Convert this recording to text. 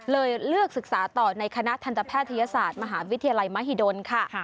เลยเลือกศึกษาต่อในคณะทันตแพทยศาสตร์มหาวิทยาลัยมหิดลค่ะ